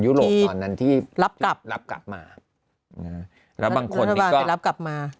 โรปตอนนั้นที่รับกลับรับกลับมาแล้วบางคนก็ไปรับกลับมา